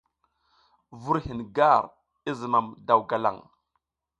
Vur hin gar i zimam daw galang.